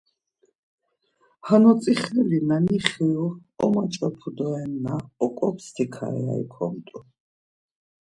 Ham notzilexi na nixiru omaç̌opu dorenna oǩop̌stikare ya ikomt̆u.